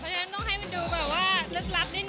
เพราะฉะนั้นต้องให้มันดูแบบว่าลึกนิดหนึ่ง